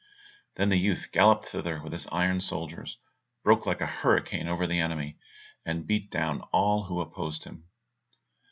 Then the youth galloped thither with his iron soldiers, broke like a hurricane over the enemy, and beat down all who opposed him.